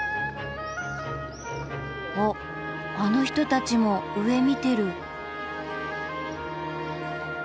おっあの人たちも上見てる。